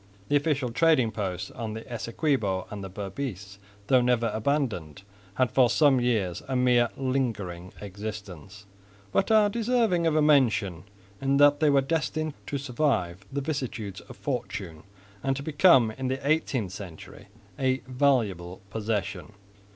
The official trading posts on the Essequibo and the Berbice, though never abandoned, had for some years a mere lingering existence, but are deserving of mention in that they were destined to survive the vicissitudes of fortune and to become in the 18th century a valuable possession.